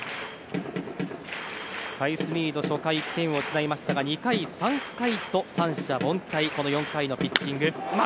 サイスニード初回１点を失いましたが２回、３回と三者凡退この４回のピッチング。